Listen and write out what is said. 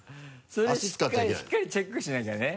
それしっかりチェックしなきゃね